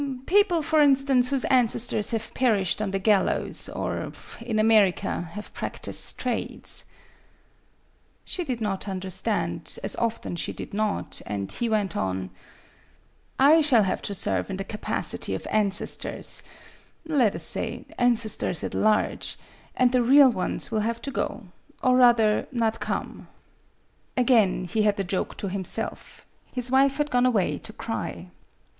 " People, for instance, whose ancestors have perished on the gallows, or, in America, have practised trades." She did not understand, as often she did not, and he went on :" I shall have to serve in the capacity of ancestors, let us say ancestors at large, and the real ones will have to go or rather not come." Again he had the joke to himself; his wife had gone away to cry.